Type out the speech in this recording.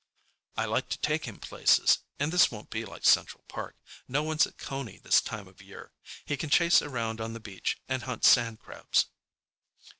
"I like to take him places, and this won't be like Central Park. No one's at Coney this time of year. He can chase around on the beach and hunt sand crabs."